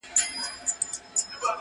پر سينه باندي يې ايښي وه لاسونه!.